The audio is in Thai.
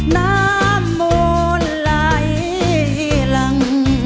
น้ำหลายหลั่ง